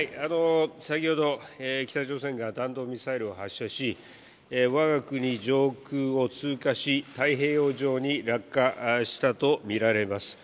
先ほど北朝鮮が弾道ミサイルを発射しわが国、上空を通過し太平洋上に落下したとみられます。